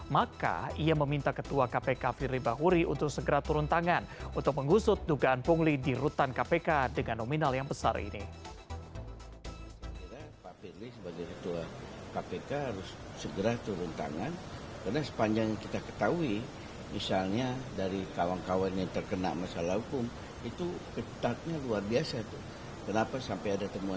maka ia meminta ketua kpk firli bahuri untuk segera turun tangan untuk mengusut dugaan punguli di rutan kpk dengan nominal yang besar ini